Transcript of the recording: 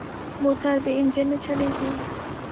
موټر بې انجن نه چلېږي.